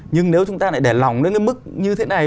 nhưng nếu chúng ta lại để lòng đến cái mức như thế này